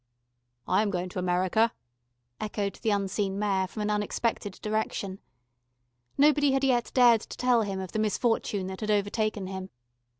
"I am going to America," echoed the unseen Mayor from an unexpected direction. Nobody had yet dared to tell him of the misfortune that had overtaken him.